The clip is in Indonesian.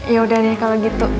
yaudah deh kalau gitu